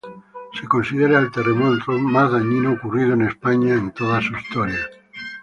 Se considera el terremoto más dañino ocurrido en España en toda su historia.